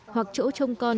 hoặc chỗ trông con